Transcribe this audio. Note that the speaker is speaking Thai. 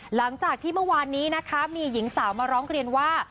หลังจากที่เมื่อวานนี้นะคะมีหญิงสาวมาร้องเรียนว่า